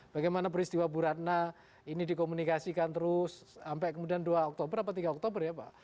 bagaimana peristiwa bu ratna ini dikomunikasikan terus sampai kemudian dua oktober atau tiga oktober ya pak